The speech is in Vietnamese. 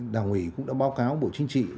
đảng ủy cũng đã báo cáo bộ chính trị